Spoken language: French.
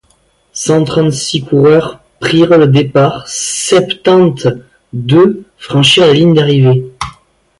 Cent-trente-six coureurs prirent le départ, septante-deux franchirent la ligne d'arrivée.